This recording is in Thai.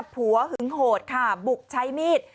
ผัวหึงโหดบุกใช้มีด